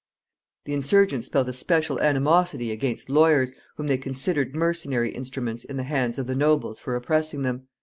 The insurgents felt a special animosity against lawyers, whom they considered mercenary instruments in the hands of the nobles for oppressing them.